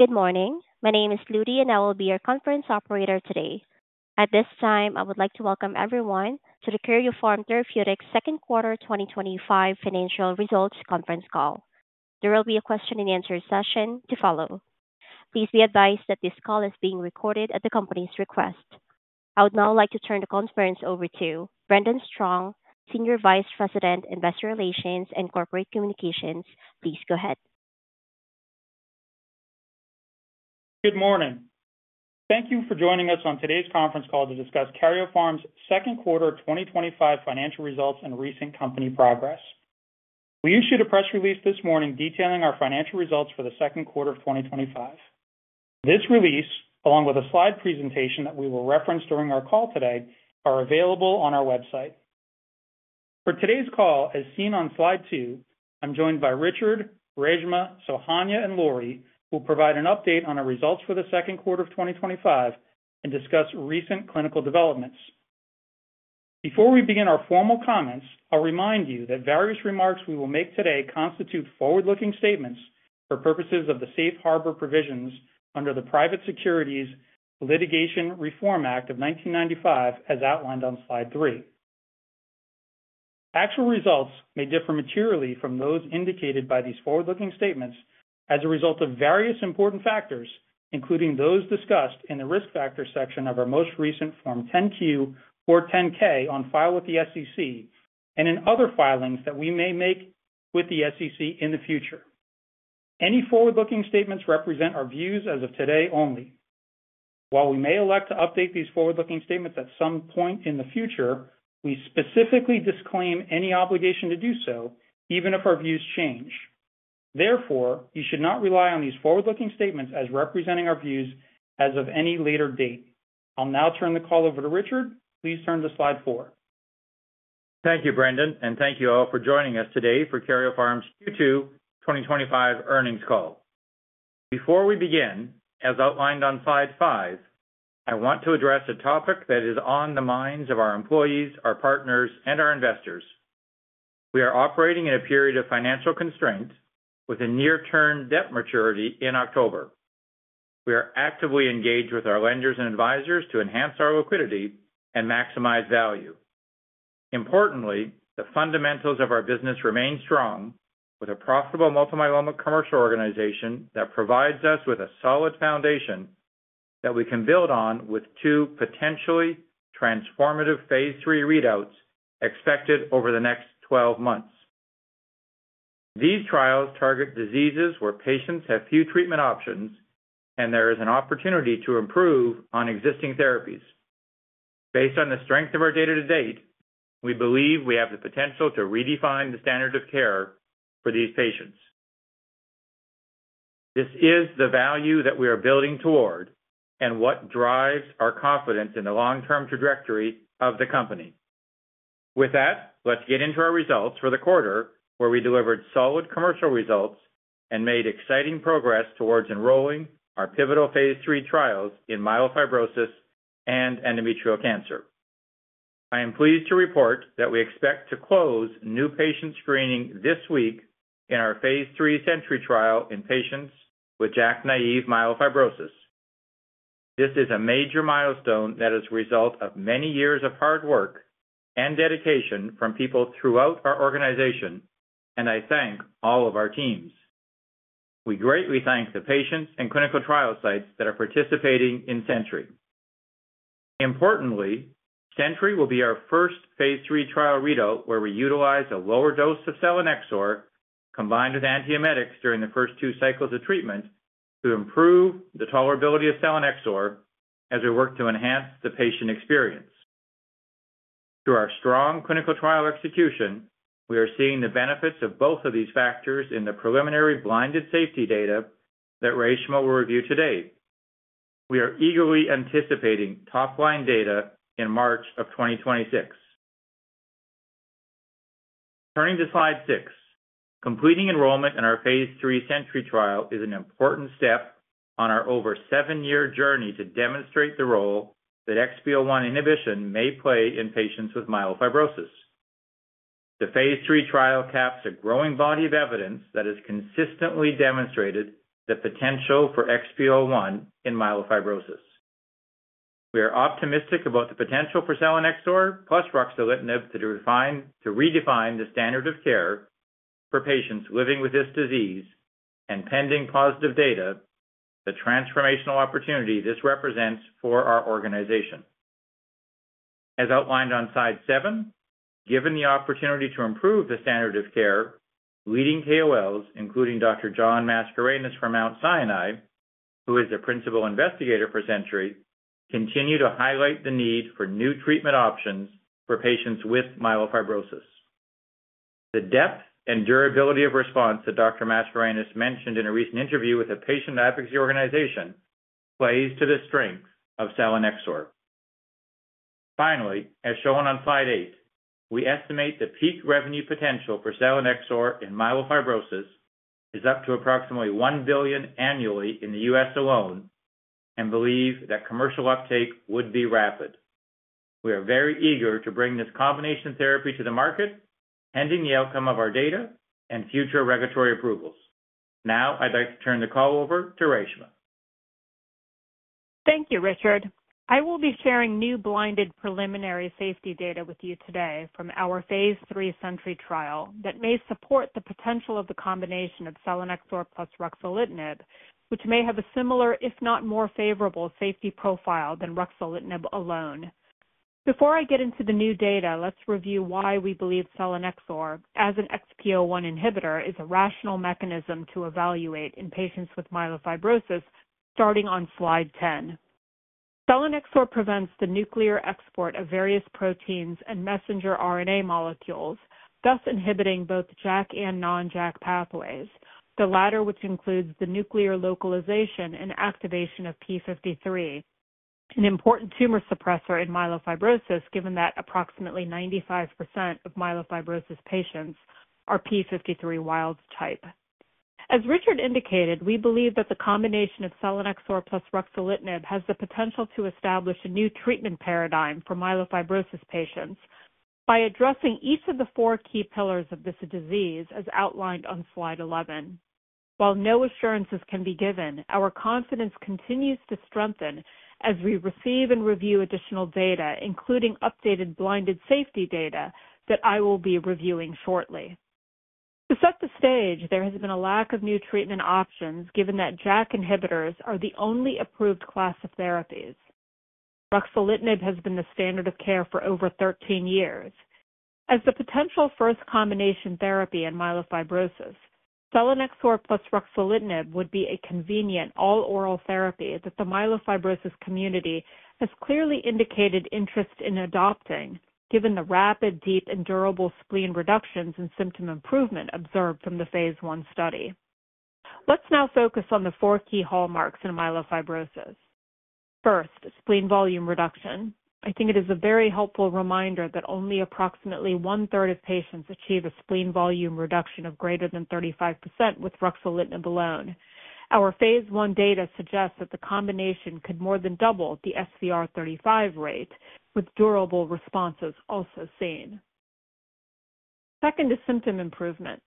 Good morning. My name is Luty, and I will be your conference operator today. At this time, I would like to welcome everyone to the Karyopharm Therapeutics Second Quarter 2025 Financial Results Conference Call. There will be a question and answer session to follow. Please be advised that this call is being recorded at the company's request. I would now like to turn the conference over to Brendan Strong, Senior Vice President, Investor Relations and Corporate Communications. Please go ahead. Good morning. Thank you for joining us on today's conference call to discuss Karyopharm's second quarter 2025 financial results and recent company progress. We issued a press release this morning detailing our financial results for the second quarter of 2025. This release, along with a slide presentation that we will reference during our call today, is available on our website. For today's call, as seen on slide two, I'm joined by Richard, Reshma, Sohanya, and Lori, who will provide an update on our results for the second quarter of 2025 and discuss recent clinical developments. Before we begin our formal comments, I'll remind you that various remarks we will make today constitute forward-looking statements for purposes of the Safe Harbor provisions under the Private Securities Litigation Reform Act of 1995, as outlined on slide three. Actual results may differ materially from those indicated by these forward-looking statements as a result of various important factors, including those discussed in the Risk Factor section of our most recent Form 10-Q or 10-K on file with the SEC and in other filings that we may make with the SEC in the future. Any forward-looking statements represent our views as of today only. While we may elect to update these forward-looking statements at some point in the future, we specifically disclaim any obligation to do so, even if our views change. Therefore, you should not rely on these forward-looking statements as representing our views as of any later date. I'll now turn the call over to Richard. Please turn to slide four. Thank you, Brendan, and thank you all for joining us today for Karyopharm's Q2 2025 earnings call. Before we begin, as outlined on slide five, I want to address a topic that is on the minds of our employees, our partners, and our investors. We are operating in a period of financial constraints with a near-term debt maturity in October. We are actively engaged with our lenders and advisors to enhance our liquidity and maximize value. Importantly, the fundamentals of our business remain strong, with a profitable multi-million commercial organization that provides us with a solid foundation that we can build on with two potentially transformative phase III readouts expected over the next 12 months. These trials target diseases where patients have few treatment options, and there is an opportunity to improve on existing therapies. Based on the strength of our data to date, we believe we have the potential to redefine the standard of care for these patients. This is the value that we are building toward and what drives our confidence in the long-term trajectory of the company. With that, let's get into our results for the quarter, where we delivered solid commercial results and made exciting progress towards enrolling our pivotal phase III trials in myelofibrosis and endometrial cancer. I am pleased to report that we expect to close new patient screening this week in our phase III SENTRY trial in patients with JAKi-naïve myelofibrosis. This is a major milestone that is a result of many years of hard work and dedication from people throughout our organization, and I thank all of our teams. We greatly thank the patients and clinical trial sites that are participating in SENTRY. Importantly, SENTRY will be our first phase III trial readout where we utilize a lower dose of selinexor combined with antiemetics during the first two cycles of treatment to improve the tolerability of selinexor as we work to enhance the patient experience. Through our strong clinical trial execution, we are seeing the benefits of both of these factors in the preliminary blinded safety data that Reshma will review today. We are eagerly anticipating top-line data in March of 2026. Turning to slide six, completing enrollment in our phase III SENTRY trial is an important step on our over seven-year journey to demonstrate the role that XPO1 inhibition may play in patients with myelofibrosis. The phase III trial caps a growing body of evidence that has consistently demonstrated the potential for XPO1 in myelofibrosis. We are optimistic about the potential for selinexor plus ruxolitinib to redefine the standard of care for patients living with this disease, and pending positive data, the transformational opportunity this represents for our organization. As outlined on slide 7, given the opportunity to improve the standard of care, leading KOLs, including Dr. John Mascarenhas from Mount Sinai, who is the principal investigator for SENTRY, continue to highlight the need for new treatment options for patients with myelofibrosis. The depth and durability of response that Dr. Mascarenhas mentioned in a recent interview with a patient advocacy organization plays to the strength of selinexor. Finally, as shown on slide 8, we estimate the peak revenue potential for selinexor in myelofibrosis is up to approximately $1 billion annually in the U.S. alone and believe that commercial uptake would be rapid. We are very eager to bring this combination therapy to the market, pending the outcome of our data and future regulatory approvals. Now, I'd like to turn the call over to Reshma. Thank you, Richard. I will be sharing new blinded preliminary safety data with you today from our phase III SENTRY trial that may support the potential of the combination of selinexor plus ruxolitinib, which may have a similar, if not more favorable, safety profile than ruxolitinib alone. Before I get into the new data, let's review why we believe selinexor as an XPO1 inhibitor is a rational mechanism to evaluate in patients with myelofibrosis, starting on slide 10. Selinexor prevents the nuclear export of various proteins and messenger RNA molecules, thus inhibiting both JAK and non-JAK pathways, the latter which includes the nuclear localization and activation of P53, an important tumor suppressor in myelofibrosis, given that approximately 95% of myelofibrosis patients are P53 wild type. As Richard indicated, we believe that the combination of selinexor plus ruxolitinib has the potential to establish a new treatment paradigm for myelofibrosis patients by addressing each of the four key pillars of this disease, as outlined on slide 11. While no assurances can be given, our confidence continues to strengthen as we receive and review additional data, including updated blinded safety data that I will be reviewing shortly. To set the stage, there has been a lack of new treatment options, given that JAK inhibitors are the only approved class of therapies. Ruxolitinib has been the standard of care for over 13 years. As the potential first combination therapy in myelofibrosis, selinexor plus ruxolitinib would be a convenient all-oral therapy that the myelofibrosis community has clearly indicated interest in adopting, given the rapid, deep, and durable spleen reductions in symptom improvement observed from the phase I study. Let's now focus on the four key hallmarks in myelofibrosis. First, spleen volume reduction. I think it is a very helpful reminder that only approximately one-third of patients achieve a spleen volume reduction of greater than 35% with ruxolitinib alone. Our phase I data suggests that the combination could more than double the SVR35 rate, with durable responses also seen. Second is symptom improvement.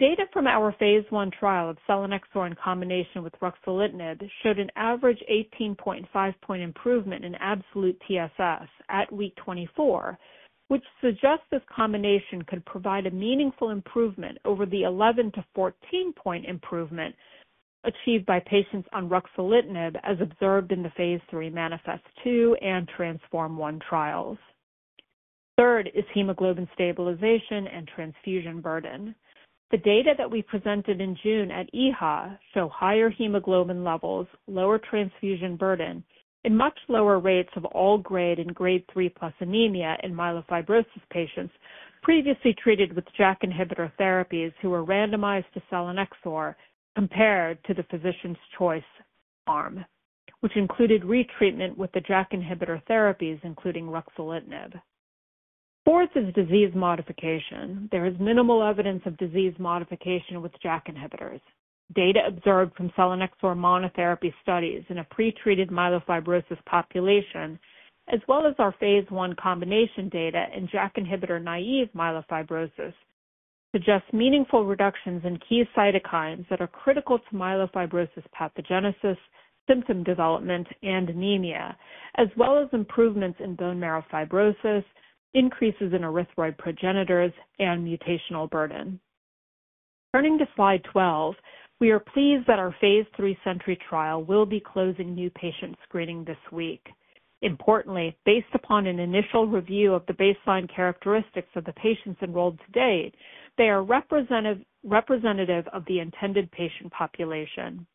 Data from our phase I trial of selinexor in combination with ruxolitinib showed an average 18.5-point improvement in absolute TSS at week 24, which suggests this combination could provide a meaningful improvement over the 11 to 14-point improvement achieved by patients on ruxolitinib, as observed in the phase III MANIFEST-2 and TRANSFORM-1 trials. Third is hemoglobin stabilization and transfusion burden. The data that we presented in June at EHA show higher hemoglobin levels, lower transfusion burden, and much lower rates of all-grade and grade three plus anemia in myelofibrosis patients previously treated with JAK inhibitor therapies who were randomized to selinexor compared to the physician's choice arm, which included retreatment with the JAK inhibitor therapies, including ruxolitinib. Fourth is disease modification. There is minimal evidence of disease modification with JAK inhibitors. Data observed from selinexor monotherapy studies in a pretreated myelofibrosis population, as well as our phase I combination data in JAK inhibitor-naive myelofibrosis, suggest meaningful reductions in key cytokines that are critical to myelofibrosis pathogenesis, symptom development, and anemia, as well as improvements in bone marrow fibrosis, increases in erythroid progenitors, and mutational burden. Turning to slide 12, we are pleased that our phase III SENTRY trial will be closing new patient screening this week. Importantly, based upon an initial review of the baseline characteristics of the patients enrolled to date, they are representative of the intended patient population.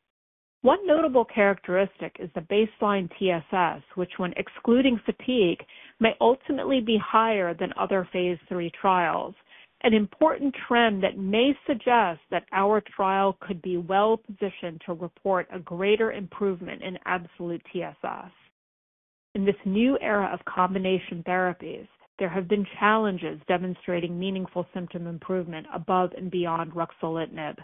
One notable characteristic is the baseline TSS, which, when excluding fatigue, may ultimately be higher than other phase III trials, an important trend that may suggest that our trial could be well-positioned to report a greater improvement in absolute TSS. In this new era of combination therapies, there have been challenges demonstrating meaningful symptom improvement above and beyond ruxolitinib.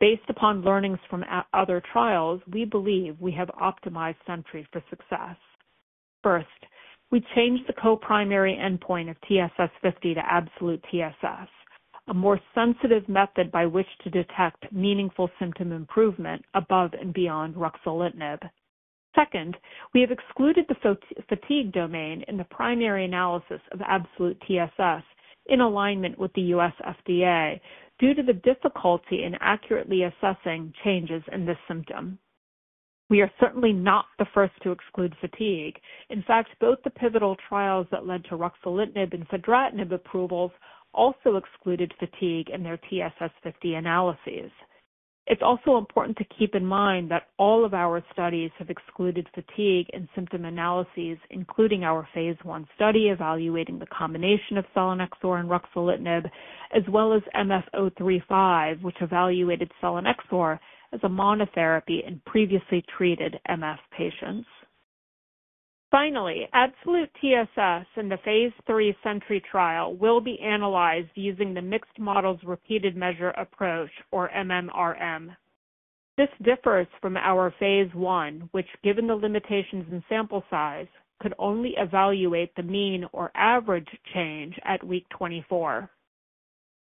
Based upon learnings from other trials, we believe we have optimized SENTRY for success. First, we changed the co-primary endpoint of TSS50 to absolute TSS, a more sensitive method by which to detect meaningful symptom improvement above and beyond ruxolitinib. Second, we have excluded the fatigue domain in the primary analysis of absolute TSS in alignment with the U.S. FDA due to the difficulty in accurately assessing changes in this symptom. We are certainly not the first to exclude fatigue. In fact, both the pivotal trials that led to ruxolitinib and fedratinib approvals also excluded fatigue in their TSS50 analyses. It's also important to keep in mind that all of our studies have excluded fatigue in symptom analyses, including our phase I study evaluating the combination of selinexor and ruxolitinib, as well as MS035, which evaluated selinexor as a monotherapy in previously treated MS patients. Finally, absolute TSS in the phase III SENTRY trial will be analyzed using the mixed models repeated measure approach, or MMRM. This differs from our phase I, which, given the limitations in sample size, could only evaluate the mean or average change at week 24.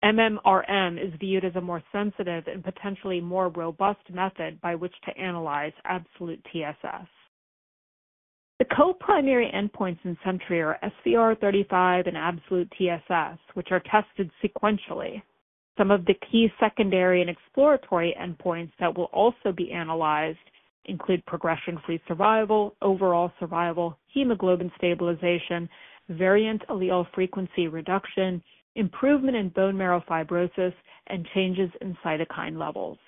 MMRM is viewed as a more sensitive and potentially more robust method by which to analyze absolute TSS. The co-primary endpoints in SENTRY are SVR35 and absolute TSS, which are tested sequentially. Some of the key secondary and exploratory endpoints that will also be analyzed include progression-free survival, overall survival, hemoglobin stabilization, variant allele frequency reduction, improvement in bone marrow fibrosis, and changes in cytokine levels.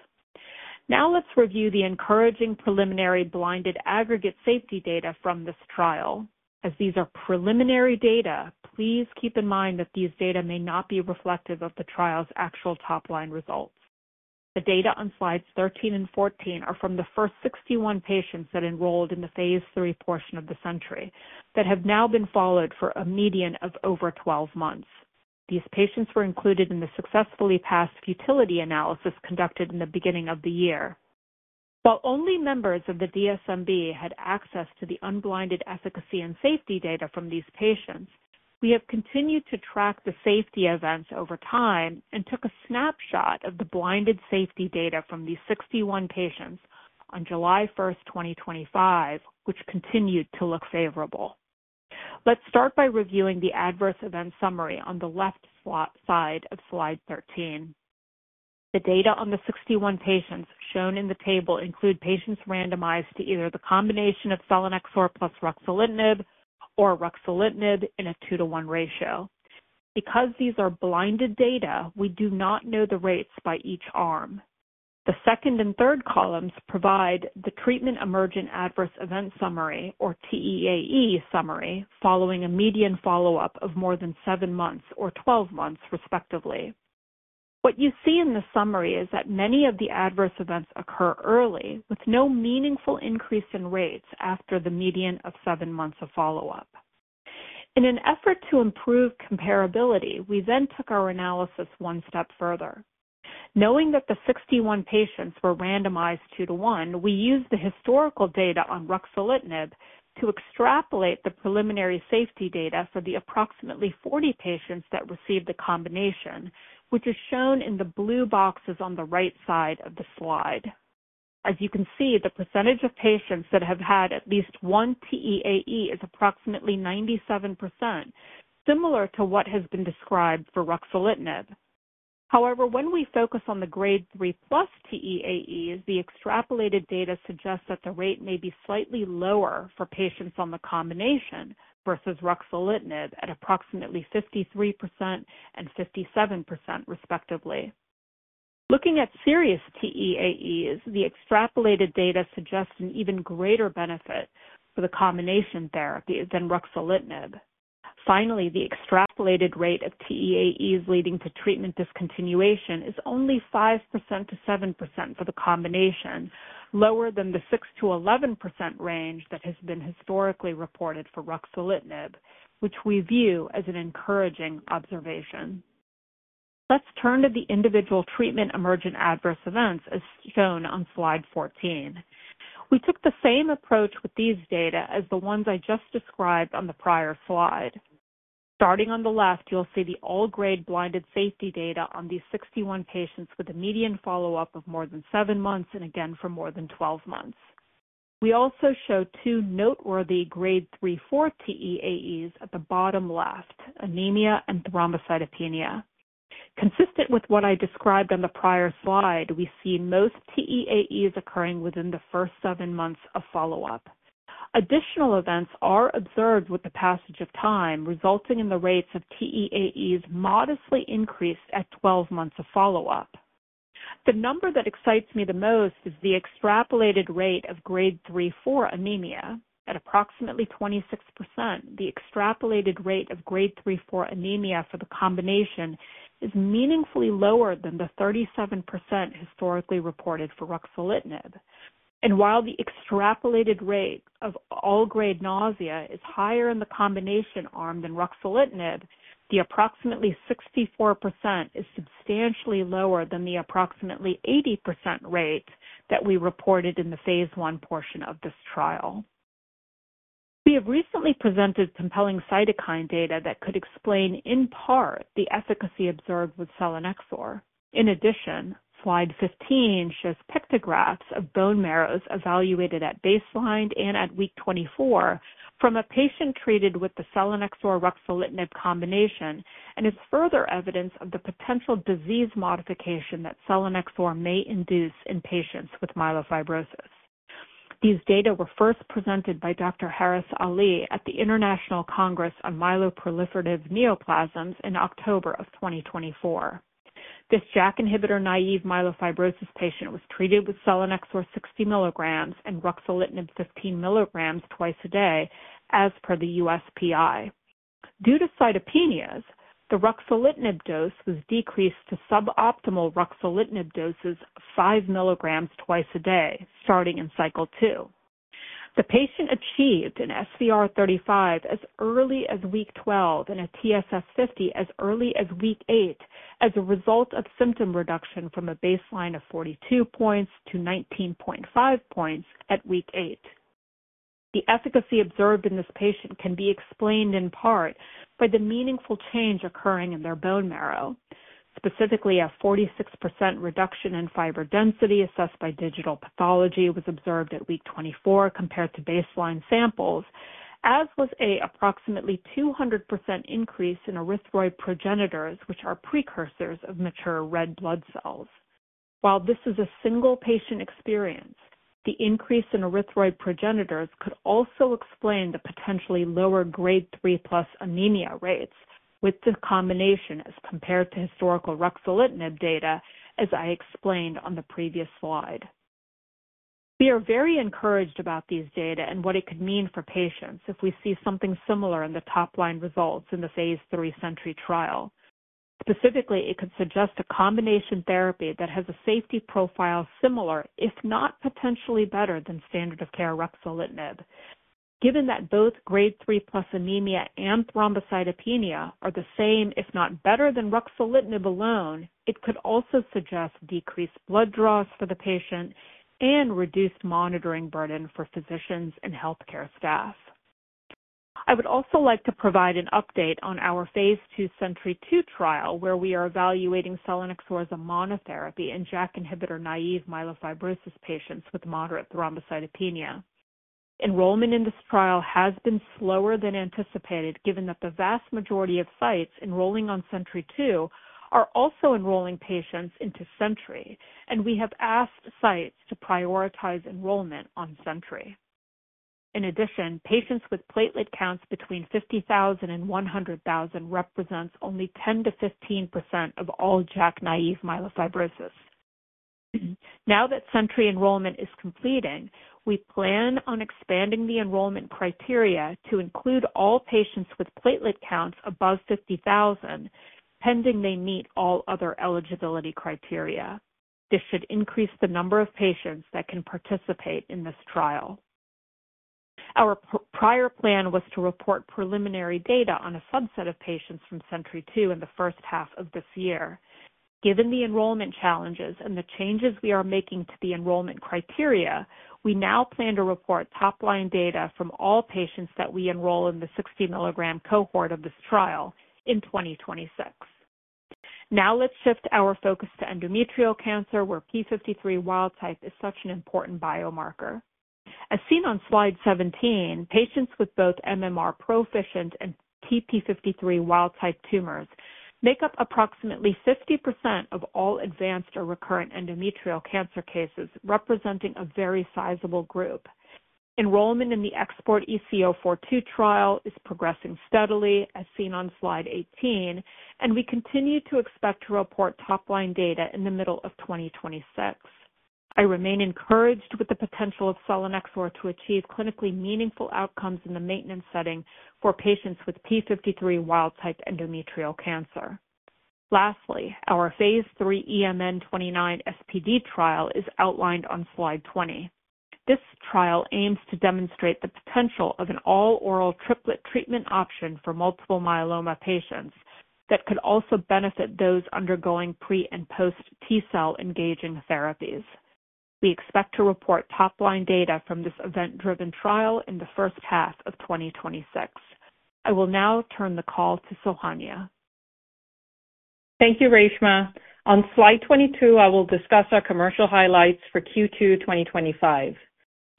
Now let's review the encouraging preliminary blinded aggregate safety data from this trial. As these are preliminary data, please keep in mind that these data may not be reflective of the trial's actual top-line results. The data on slides 13 and 14 are from the first 61 patients that enrolled in the phase III portion of the SENTRY that have now been followed for a median of over 12 months. These patients were included in the successfully passed futility analysis conducted in the beginning of the year. While only members of the DSMB had access to the unblinded efficacy and safety data from these patients, we have continued to track the safety events over time and took a snapshot of the blinded safety data from these 61 patients on July 1st, 2025, which continued to look favorable. Let's start by reviewing the adverse event summary on the left side of slide 13. The data on the 61 patients shown in the table include patients randomized to either the combination of selinexor plus ruxolitinib or ruxolitinib in a two-to-one ratio. Because these are blinded data, we do not know the rates by each arm. The second and third columns provide the treatment emergent adverse event summary, or TEAE summary, following a median follow-up of more than seven months or 12 months, respectively. What you see in this summary is that many of the adverse events occur early, with no meaningful increase in rates after the median of seven months of follow-up. In an effort to improve comparability, we then took our analysis one step further. Knowing that the 61 patients were randomized two-to-one, we used the historical data on ruxolitinib to extrapolate the preliminary safety data for the approximately 40 patients that received the combination, which is shown in the blue boxes on the right side of the slide. As you can see, the percentage of patients that have had at least one TEAE is approximately 97%, similar to what has been described for ruxolitinib. However, when we focus on the grade 3+ TEAE, the extrapolated data suggests that the rate may be slightly lower for patients on the combination versus ruxolitinib at approximately 53% and 57%, respectively. Looking at serious TEAEs, the extrapolated data suggests an even greater benefit for the combination therapy than ruxolitinib. Finally, the extrapolated rate of TEAEs leading to treatment discontinuation is only 5%-7% for the combination, lower than the 6%-11% range that has been historically reported for ruxolitinib, which we view as an encouraging observation. Let's turn to the individual treatment emergent adverse events, as shown on slide 14. We took the same approach with these data as the ones I just described on the prior slide. Starting on the left, you'll see the all-grade blinded safety data on these 61 patients with a median follow-up of more than seven months and again for more than 12 months. We also show two noteworthy grade 3/4 TEAEs at the bottom left, anemia and thrombocytopenia. Consistent with what I described on the prior slide, we see most TEAEs occurring within the first seven months of follow-up. Additional events are observed with the passage of time, resulting in the rates of TEAEs modestly increased at 12 months of follow-up. The number that excites me the most is the extrapolated rate of grade 3/4 anemia. At approximately 26%, the extrapolated rate of grade 3/4 anemia for the combination is meaningfully lower than the 37% historically reported for ruxolitinib. While the extrapolated rate of all-grade nausea is higher in the combination arm than ruxolitinib, the approximately 64% is substantially lower than the approximately 80% rate that we reported in the phase I portion of this trial. We have recently presented compelling cytokine data that could explain, in part, the efficacy observed with selinexor. In addition, slide 15 shows pictographs of bone marrows evaluated at baseline and at week 24 from a patient treated with the selinexor/ruxolitinib combination, and it's further evidence of the potential disease modification that selinexor may induce in patients with myelofibrosis. These data were first presented by Dr. Harris Ali at the International Congress on Myeloproliferative Neoplasms in October of 2024. This JAK inhibitor-naive myelofibrosis patient was treated with selinexor 60 mg and ruxolitinib 15 mg twice a day, as per the USPI. Due to cytopenias, the ruxolitinib dose was decreased to suboptimal ruxolitinib doses of 5 mg twice a day, starting in cycle two. The patient achieved an SVR35 as early as week 12 and a TSS50 as early as week eight as a result of symptom reduction from a baseline of 42 points to 19.5 points at week eight. The efficacy observed in this patient can be explained in part by the meaningful change occurring in their bone marrow. Specifically, a 46% reduction in fiber density assessed by digital pathology was observed at week 24 compared to baseline samples, as was an approximately 200% increase in erythroid progenitors, which are precursors of mature red blood cells. While this is a single patient experience, the increase in erythroid progenitors could also explain the potentially lower grade 3+ anemia rates with the combination as compared to historical ruxolitinib data, as I explained on the previous slide. We are very encouraged about these data and what it could mean for patients if we see something similar in the top-line results in the phase III SENTRY trial. Specifically, it could suggest a combination therapy that has a safety profile similar, if not potentially better, than standard of care ruxolitinib. Given that both grade 3+ anemia and thrombocytopenia are the same, if not better, than ruxolitinib alone, it could also suggest decreased blood draws for the patient and reduced monitoring burden for physicians and healthcare staff. I would also like to provide an update on our phase II SENTRY-2 trial, where we are evaluating selinexor as a monotherapy in JAK inhibitor-naive myelofibrosis patients with moderate thrombocytopenia. Enrollment in this trial has been slower than anticipated, given that the vast majority of sites enrolling on SENTRY-2 are also enrolling patients into SENTRY, and we have asked sites to prioritize enrollment on SENTRY. In addition, patients with platelet counts between 50,000 and 100,000 represent only 10%-15% of all JAKi-naïve myelofibrosis. Now that SENTRY enrollment is completing, we plan on expanding the enrollment criteria to include all patients with platelet counts above 50,000, pending they meet all other eligibility criteria. This should increase the number of patients that can participate in this trial. Our prior plan was to report preliminary data on a subset of patients from SENTRY-2 in the first half of this year. Given the enrollment challenges and the changes we are making to the enrollment criteria, we now plan to report top-line data from all patients that we enroll in the 60 mg cohort of this trial in 2026. Now let's shift our focus to endometrial cancer, where P53 wild type is such an important biomarker. As seen on slide 17, patients with both MMR proficient and TP53 wild type tumors make up approximately 50% of all advanced or recurrent endometrial cancer cases, representing a very sizable group. Enrollment in the XPORT-EC-042 trial is progressing steadily, as seen on slide 18, and we continue to expect to report top-line data in the middle of 2026. I remain encouraged with the potential of selinexor to achieve clinically meaningful outcomes in the maintenance setting for patients with P53 wild type endometrial cancer. Lastly, our phase III EMN29 SPD trial is outlined on slide 20. This trial aims to demonstrate the potential of an all-oral triplet treatment option for multiple myeloma patients that could also benefit those undergoing pre and post T-cell engaging therapies. We expect to report top-line data from this event-driven trial in the first half of 2026. I will now turn the call to Sohanya. Thank you, Reshma. On slide 22, I will discuss our commercial highlights for Q2 2025.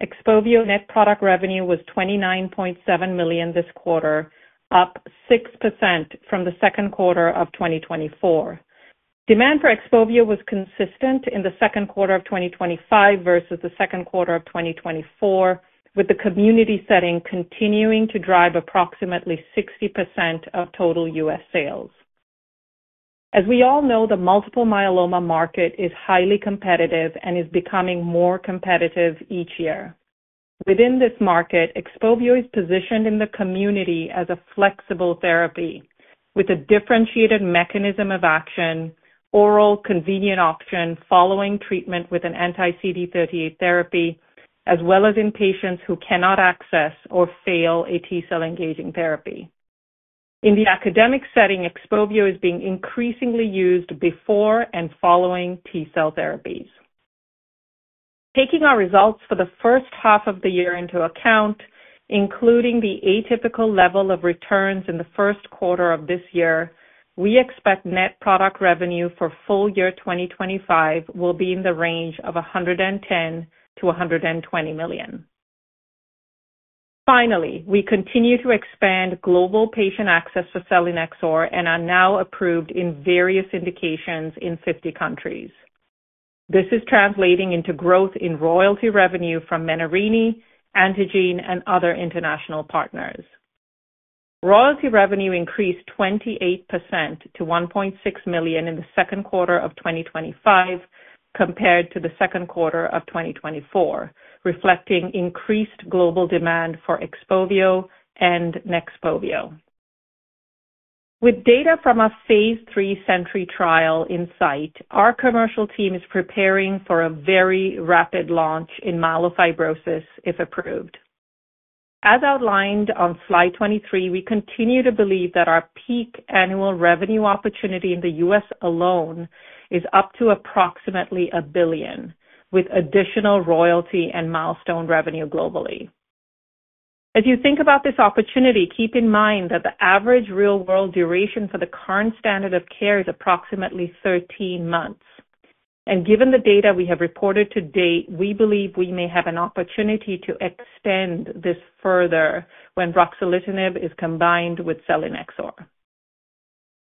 XPOVIO net product revenue was $29.7 million this quarter, up 6% from the second quarter of 2024. Demand for XPOVIO was consistent in the second quarter of 2025 versus the second quarter of 2024, with the community setting continuing to drive approximately 60% of total U.S. sales. As we all know, the multiple myeloma market is highly competitive and is becoming more competitive each year. Within this market, XPOVIO is positioned in the community as a flexible therapy with a differentiated mechanism of action, oral convenient option following treatment with an anti-CD38 therapy, as well as in patients who cannot access or fail a T-cell engaging therapy. In the academic setting, XPOVIO is being increasingly used before and following T-cell therapies. Taking our results for the first half of the year into account, including the atypical level of returns in the first quarter of this year, we expect net product revenue for full year 2025 will be in the range of $110 million-$120 million. Finally, we continue to expand global patient access for selinexor and are now approved in various indications in 50 countries. This is translating into growth in royalty revenue from Menarini, Antengene, and other international partners. Royalty revenue increased 28% to $1.6 million in the second quarter of 2025 compared to the second quarter of 2024, reflecting increased global demand for XPOVIO and NEXPOVIO. With data from our phase III SENTRY trial in sight, our commercial team is preparing for a very rapid launch in myelofibrosis, if approved. As outlined on slide 23, we continue to believe that our peak annual revenue opportunity in the U.S. alone is up to approximately $1 billion, with additional royalty and milestone revenue globally. As you think about this opportunity, keep in mind that the average real-world duration for the current standard of care is approximately 13 months. Given the data we have reported to date, we believe we may have an opportunity to extend this further when ruxolitinib is combined with selinexor.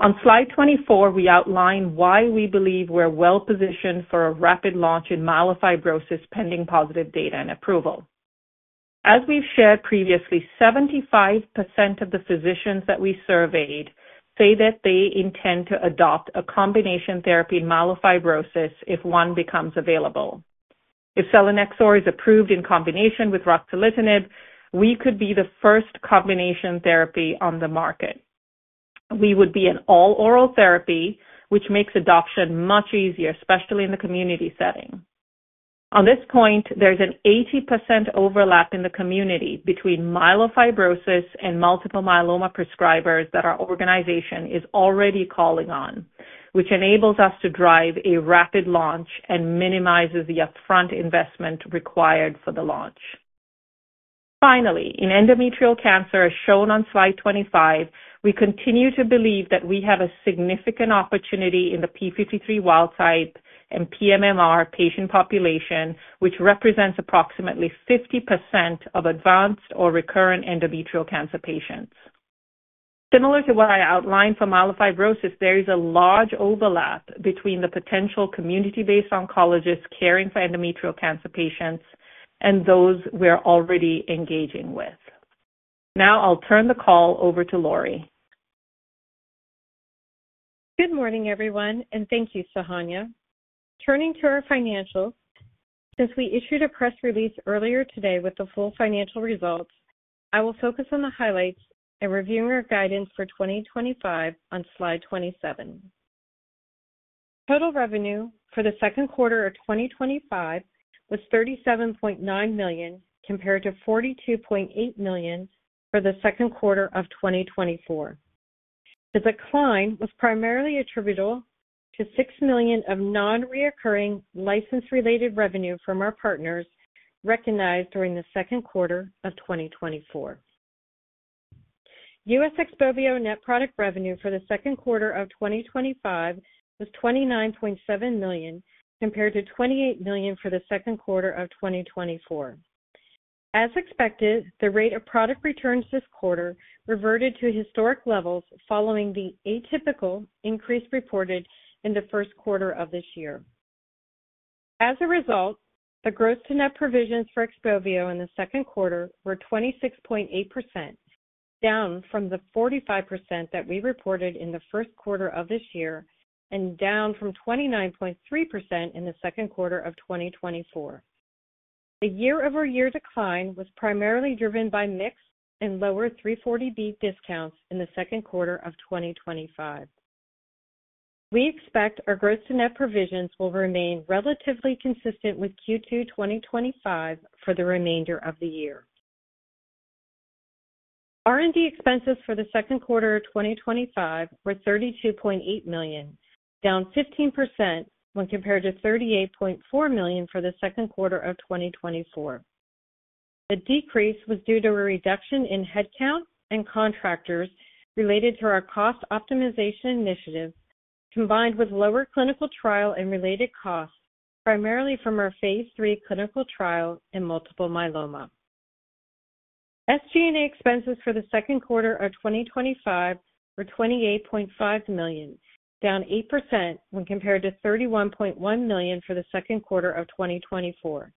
On slide 24, we outline why we believe we're well-positioned for a rapid launch in myelofibrosis pending positive data and approval. As we've shared previously, 75% of the physicians that we surveyed say that they intend to adopt a combination therapy in myelofibrosis if one becomes available. If selinexor is approved in combination with ruxolitinib, we could be the first combination therapy on the market. We would be an all-oral therapy, which makes adoption much easier, especially in the community setting. On this point, there's an 80% overlap in the community between myelofibrosis and multiple myeloma prescribers that our organization is already calling on, which enables us to drive a rapid launch and minimizes the upfront investment required for the launch. Finally, in endometrial cancer, as shown on slide 25, we continue to believe that we have a significant opportunity in the P53 wild type and PMMR patient population, which represents approximately 50% of advanced or recurrent endometrial cancer patients. Similar to what I outlined for myelofibrosis, there is a large overlap between the potential community-based oncologists caring for endometrial cancer patients and those we're already engaging with. Now, I'll turn the call over to Lori. Good morning, everyone, and thank you, Sohanya. Turning to our financials, since we issued a press release earlier today with the full financial results, I will focus on the highlights and reviewing our guidance for 2025 on slide 27. Total revenue for the second quarter of 2025 was $37.9 million compared to $42.8 million for the second quarter of 2024. The decline was primarily attributable to $6 million of non-recurring license-related revenue from our partners recognized during the second quarter of 2024. U.S. XPOVIO net product revenue for the second quarter of 2025 was $29.7 million compared to $28 million for the second quarter of 2024. As expected, the rate of product returns this quarter reverted to historic levels following the atypical increase reported in the first quarter of this year. As a result, the gross to net provisions for XPOVIO in the second quarter were 26.8%, down from the 45% that we reported in the first quarter of this year and down from 29.3% in the second quarter of 2024. The year-over-year decline was primarily driven by mix and lower 340B discounts in the second quarter of 2025. We expect our gross to net provisions will remain relatively consistent with Q2 2025 for the remainder of the year. R&D expenses for the second quarter of 2025 were $32.8 million, down 15% when compared to $38.4 million for the second quarter of 2024. The decrease was due to a reduction in headcount and contractors related to our cost optimization initiative, combined with lower clinical trial and related costs, primarily from our phase III clinical trial in multiple myeloma. SG&A expenses for the second quarter of 2025 were $28.5 million, down 8% when compared to $31.1 million for the second quarter of 2024.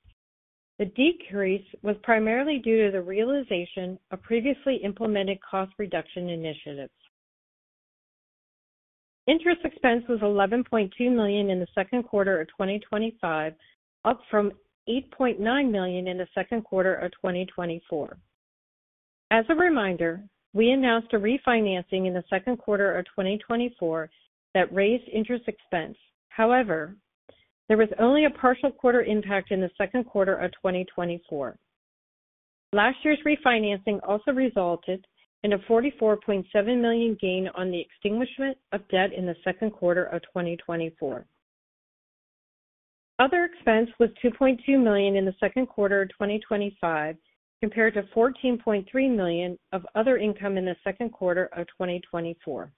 The decrease was primarily due to the realization of previously implemented cost reduction initiatives. Interest expense was $11.2 million in the second quarter of 2025, up from $8.9 million in the second quarter of 2024. As a reminder, we announced a refinancing in the second quarter of 2024 that raised interest expense. However, there was only a partial quarter impact in the second quarter of 2024. Last year's refinancing also resulted in a $44.7 million gain on the extinguishment of debt in the second quarter of 2024. Other expense was $2.2 million in the second quarter of 2025 compared to $14.3 million of other income in the second quarter of 2024.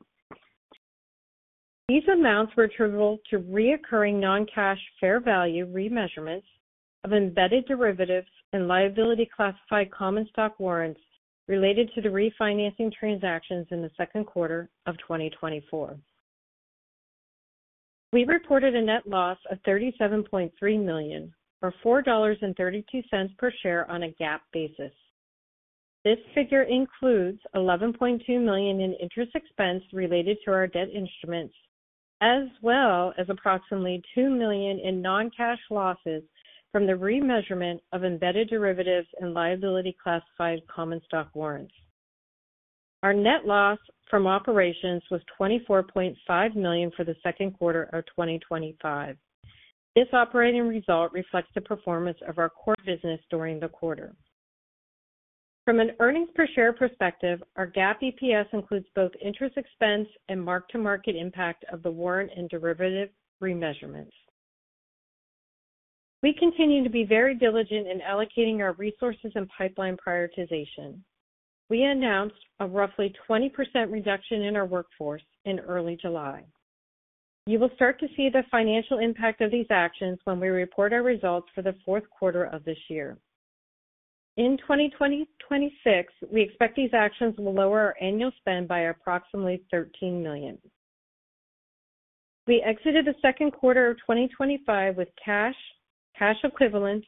These amounts were attributable to recurring non-cash fair value remeasurements of embedded derivatives and liability-classified common stock warrants related to the refinancing transactions in the second quarter of 2024. We reported a net loss of $37.3 million, or $4.32 per share on a GAAP basis. This figure includes $11.2 million in interest expense related to our debt instruments, as well as approximately $2 million in non-cash losses from the remeasurement of embedded derivatives and liability-classified common stock warrants. Our net loss from operations was $24.5 million for the second quarter of 2025. This operating result reflects the performance of our core business during the quarter. From an earnings per share perspective, our GAAP EPS includes both interest expense and marked-to-market impact of the warrant and derivative remeasurements. We continue to be very diligent in allocating our resources and pipeline prioritization. We announced a roughly 20% reduction in our workforce in early July. You will start to see the financial impact of these actions when we report our results for the fourth quarter of this year. In 2026, we expect these actions will lower our annual spend by approximately $13 million. We exited the second quarter of 2025 with cash, cash equivalents,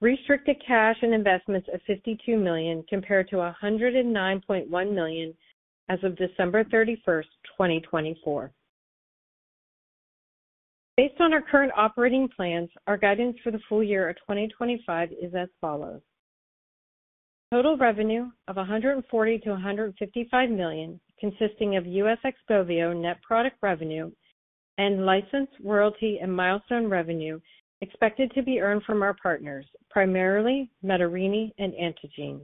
restricted cash, and investments of $52 million compared to $109.1 million as of December 31st, 2024. Based on our current operating plans, our guidance for the full year of 2025 is as follows: total revenue of $140 million-$155 million, consisting of U.S. XPOVIO net product revenue and license, royalty, and milestone revenue expected to be earned from our partners, primarily Menarini and Antengene.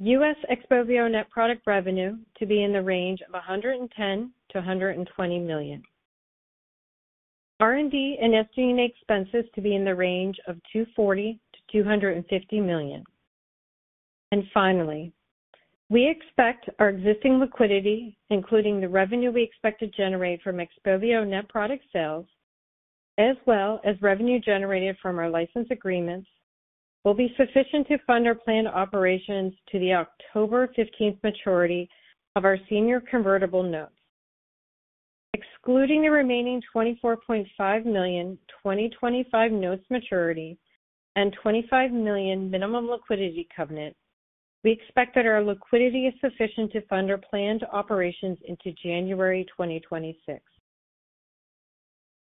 U.S. XPOVIO net product revenue to be in the range of $110 million-$120 million. R&D and SG&A expenses to be in the range of $240 million-$250 million. Finally, we expect our existing liquidity, including the revenue we expect to generate from XPOVIO net product sales, as well as revenue generated from our license agreements, will be sufficient to fund our planned operations to the October 15th maturity of our senior convertible notes. Excluding the remaining $24.5 million 2025 notes maturity and $25 million minimum liquidity covenant, we expect that our liquidity is sufficient to fund our planned operations into January 2026.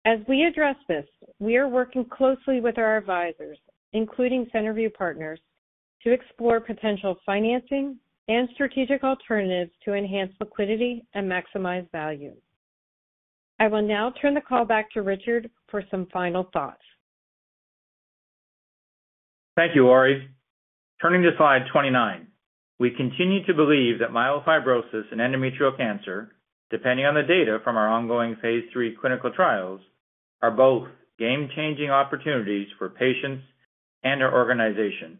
As we address this, we are working closely with our advisors, including Centerview Partners, to explore potential financing and strategic alternatives to enhance liquidity and maximize value. I will now turn the call back to Richard for some final thoughts. Thank you, Lori. Turning to slide 29, we continue to believe that myelofibrosis and endometrial cancer, depending on the data from our ongoing phase III clinical trials, are both game-changing opportunities for patients and our organization,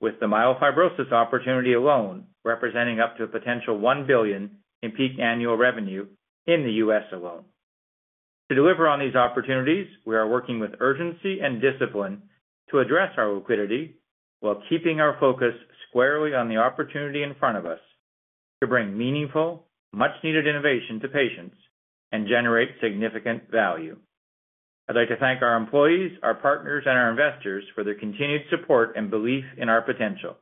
with the myelofibrosis opportunity alone representing up to a potential $1 billion in peak annual revenue in the U.S. alone. To deliver on these opportunities, we are working with urgency and discipline to address our liquidity while keeping our focus squarely on the opportunity in front of us to bring meaningful, much-needed innovation to patients and generate significant value. I'd like to thank our employees, our partners, and our investors for their continued support and belief in our potential.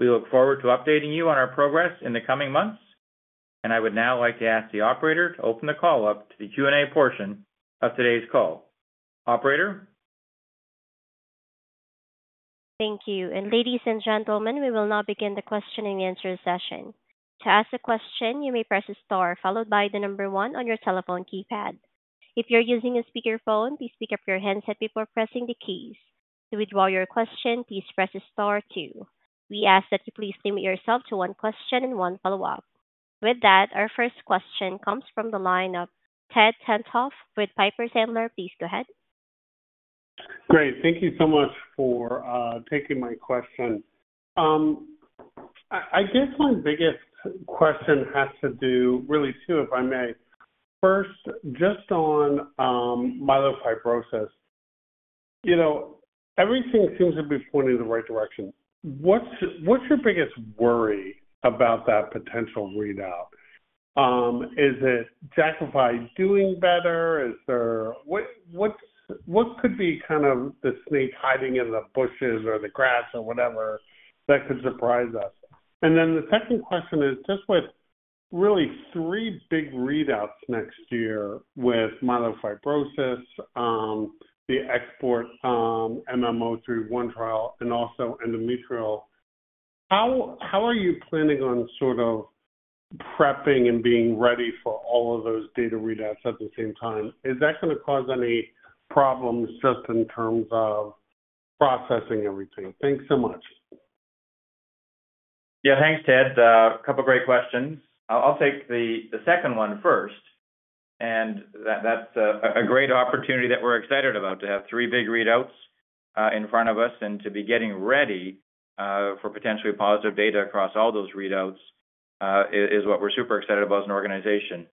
We look forward to updating you on our progress in the coming months, and I would now like to ask the operator to open the call up to the Q&A portion of today's call. Operator? Thank you. Ladies and gentlemen, we will now begin the question and answer session. To ask a question, you may press star followed by the number one on your telephone keypad. If you're using a speakerphone, please pick up your headset before pressing the keys. To withdraw your question, please press star two. We ask that you please limit yourself to one question and one follow-up. With that, our first question comes from the line of Ted Tenthoff with Piper Sandler. Please go ahead. Great. Thank you so much for taking my question. I guess my biggest question has to do really two, if I may. First, just on myelofibrosis, you know, everything seems to be pointing in the right direction. What's your biggest worry about that potential readout? Is it JAK by doing better? Is there what could be kind of the snake hiding in the bushes or the grass or whatever that could surprise us? The second question is just with really three big readouts next year with myelofibrosis, the XPORT-MM-031 trial, and also endometrial. How are you planning on sort of prepping and being ready for all of those data readouts at the same time? Is that going to cause any problems just in terms of processing everything? Thanks so much. Yeah, thanks, Ted. A couple of great questions. I'll take the second one first. That's a great opportunity that we're excited about to have three big readouts in front of us and to be getting ready for potentially positive data across all those readouts, which is what we're super excited about as an organization.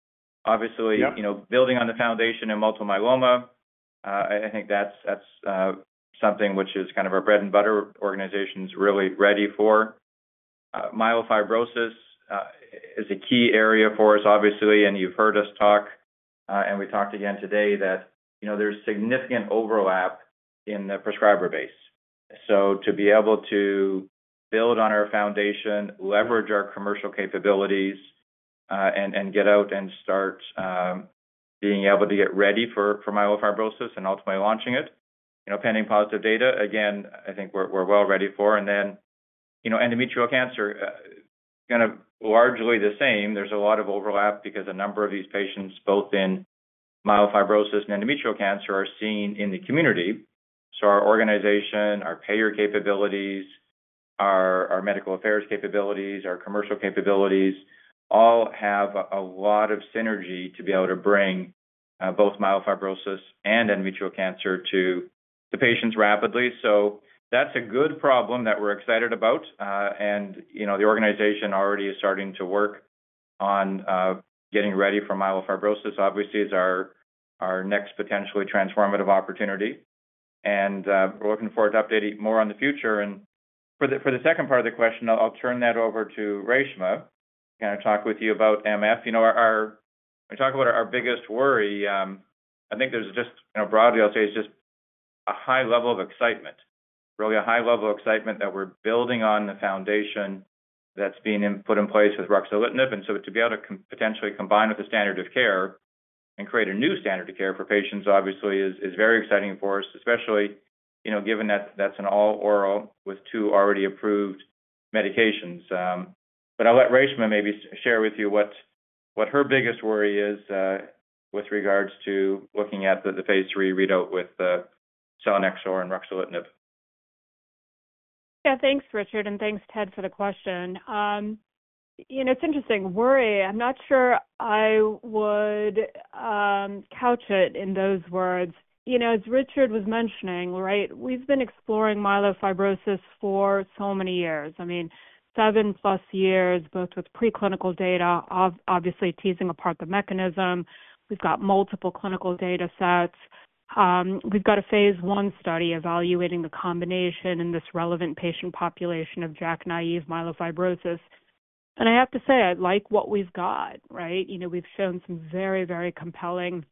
Obviously, you know, building on the foundation of multiple myeloma, I think that's something which is kind of our bread and butter. Organizations are really ready for it. Myelofibrosis is a key area for us, obviously, and you've heard us talk, and we talked again today, that, you know, there's significant overlap in the prescriber base. To be able to build on our foundation, leverage our commercial capabilities, and get out and start being able to get ready for myelofibrosis and ultimately launching it, you know, pending positive data, I think we're well ready for it. You know, endometrial cancer, kind of largely the same. There's a lot of overlap because a number of these patients, both in myelofibrosis and endometrial cancer, are seen in the community. Our organization, our payer capabilities, our medical affairs capabilities, our commercial capabilities all have a lot of synergy to be able to bring both myelofibrosis and endometrial cancer to the patients rapidly. That's a good problem that we're excited about. The organization already is starting to work on getting ready for myelofibrosis, obviously, as our next potentially transformative opportunity. We're looking forward to updating more in the future. For the second part of the question, I'll turn that over to Reshma. Can I talk with you about MF? You know, we talk about our biggest worry. I think there's just, you know, broadly, I'll say it's just a high level of excitement, really a high level of excitement that we're building on the foundation that's being put in place with ruxolitinib. To be able to potentially combine with the standard of care and create a new standard of care for patients, obviously, is very exciting for us, especially, you know, given that that's an all-oral with two already approved medications. I'll let Reshma maybe share with you what her biggest worry is with regards to looking at the phase III readout with the selinexor and ruxolitinib. Yeah, thanks, Richard, and thanks, Ted, for the question. It's interesting, worry. I'm not sure I would couch it in those words. As Richard was mentioning, we've been exploring myelofibrosis for so many years, I mean, seven plus years, both with preclinical data, obviously teasing apart the mechanism. We've got multiple clinical data sets. We've got a phase I study evaluating the combination in this relevant patient population of JAKi-naïve myelofibrosis. I have to say, I like what we've got. We've shown some very, very compelling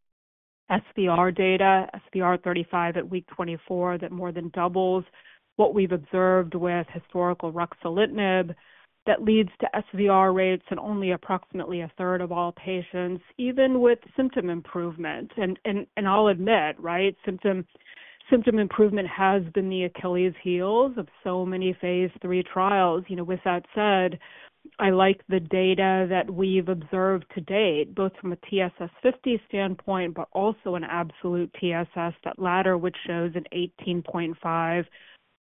SVR data, SVR35 at week 24 that more than doubles what we've observed with historical ruxolitinib that leads to SVR rates in only approximately a third of all patients, even with symptom improvement. I'll admit, symptom improvement has been the Achilles heel of so many phase III trials. With that said, I like the data that we've observed to date, both from a TSS50 standpoint, but also an absolute TSS, that latter, which shows an 18.5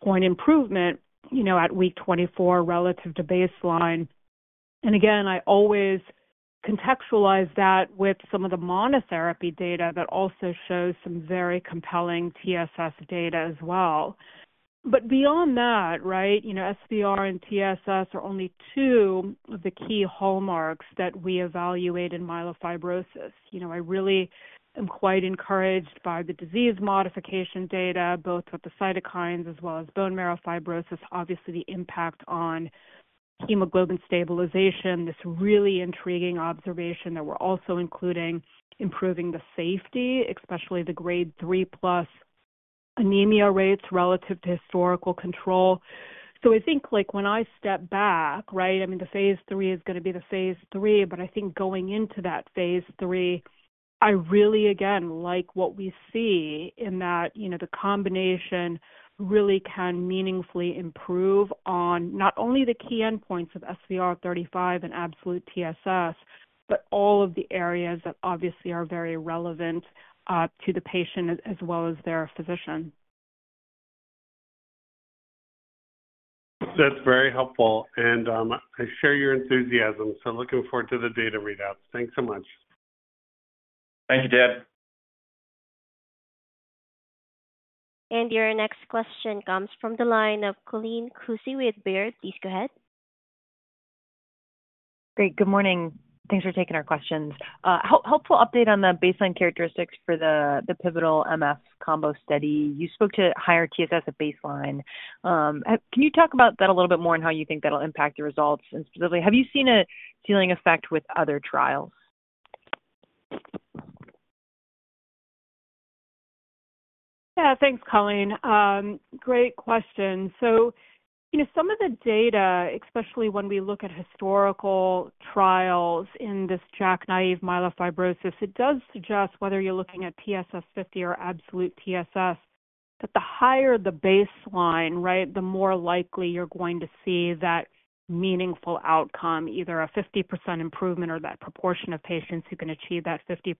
point improvement at week 24 relative to baseline. I always contextualize that with some of the monotherapy data that also shows some very compelling TSS data as well. Beyond that, SVR and TSS are only two of the key hallmarks that we evaluate in myelofibrosis. I really am quite encouraged by the disease modification data, both with the cytokines as well as bone marrow fibrosis, obviously the impact on hemoglobin stabilization, this really intriguing observation that we're also including improving the safety, especially the grade 3+ anemia rates relative to historical control. I think, when I step back, the phase III is going to be the phase III, but I think going into that phase III, I really, again, like what we see in that the combination really can meaningfully improve on not only the key endpoints of SVR35 and absolute TSS, but all of the areas that obviously are very relevant to the patient as well as their physician. That's very helpful. I share your enthusiasm. Looking forward to the data readouts. Thanks so much. Thank you, Ted. Your next question comes from the line of Colleen Kusey with Baird. Please go ahead. Great. Good morning. Thanks for taking our questions. Helpful update on the baseline characteristics for the pivotal MF combo study. You spoke to higher TSS at baseline. Can you talk about that a little bit more and how you think that'll impact your results? Specifically, have you seen a ceiling effect with other trials? Yeah, thanks, Colleen. Great question. Some of the data, especially when we look at historical trials in this JAKi-naïve myelofibrosis, does suggest whether you're looking at TSS50 or absolute TSS, that the higher the baseline, the more likely you're going to see that meaningful outcome, either a 50% improvement or that proportion of patients who can achieve that 50%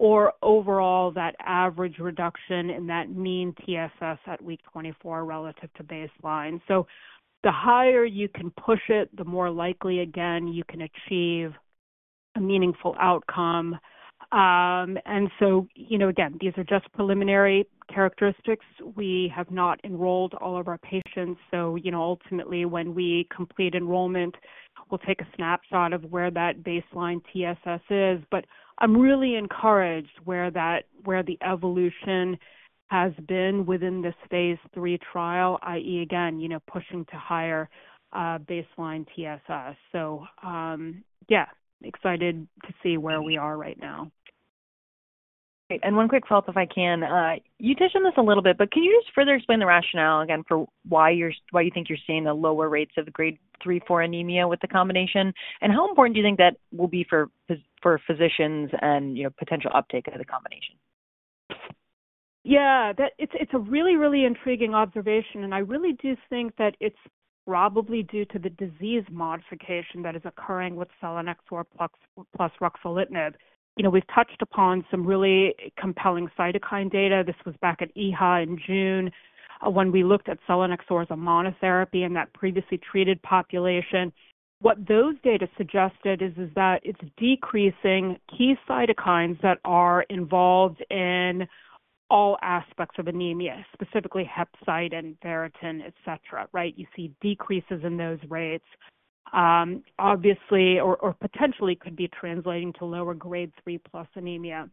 improvement, or overall that average reduction in that mean TSS at week 24 relative to baseline. The higher you can push it, the more likely, again, you can achieve a meaningful outcome. These are just preliminary characteristics. We have not enrolled all of our patients. Ultimately, when we complete enrollment, we'll take a snapshot of where that baseline TSS is. I'm really encouraged where the evolution has been within this phase III trial, i.e., pushing to higher baseline TSS. Yeah, excited to see where we are right now. Great. One quick follow-up if I can. You touched on this a little bit, but can you just further explain the rationale again for why you think you're seeing the lower rates of grade 3/4 anemia with the combination? How important do you think that will be for physicians and, you know, potential uptake of the combination? Yeah, it's a really, really intriguing observation. I really do think that it's probably due to the disease modification that is occurring with selinexor plus ruxolitinib. We've touched upon some really compelling cytokine data. This was back at EHA in June when we looked at selinexor as a monotherapy in that previously treated population. What those data suggested is that it's decreasing key cytokines that are involved in all aspects of anemia, specifically hepcidin and ferritin, et cetera, right? You see decreases in those rates, obviously, or potentially could be translating to lower grade 3/4 anemia.